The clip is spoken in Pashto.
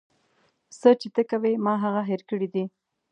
څه چې ته کوې ما هغه هير کړي دي.